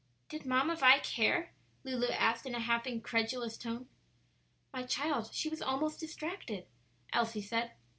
"Did Mamma Vi care?" Lulu asked, in a half incredulous tone. "My child, she was almost distracted," Elsie said.